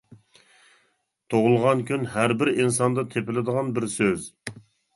تۇغۇلغان كۈن ھەربىر ئىنساندا تېپىلىدىغان بىر سۆز.